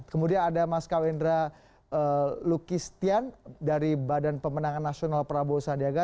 kemudian ada mas kawendra lukistian dari badan pemenangan nasional prabowo sandiaga